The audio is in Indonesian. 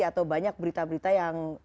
atau banyak berita berita yang